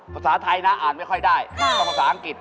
ภาษาไทยนะอ่านไม่ค่อยได้ก็ภาษาอังกฤษ